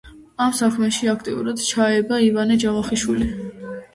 ამ საქმეში აქტიურად ჩაება ივანე ჯავახიშვილი.